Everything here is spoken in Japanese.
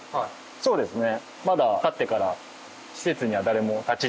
そうですね。